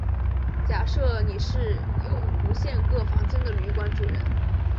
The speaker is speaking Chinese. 假设你是有无限个房间的旅馆主人。